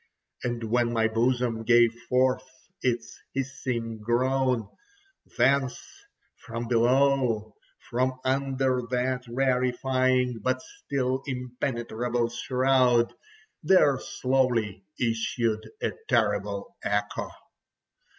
And when my bosom gave forth its hissing groan, thence—from below—from under that rarifying, but still impenetrable shroud, there slowly issued a terrible echo.